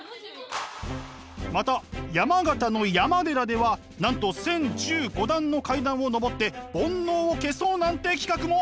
また山形の山寺ではなんと１，０１５段の階段を上って煩悩を消そうなんて企画も。